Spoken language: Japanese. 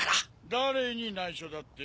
・誰に内緒だって？